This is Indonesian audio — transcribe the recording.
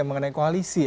mengenai koalisi ya